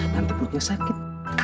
nanti perutnya sakit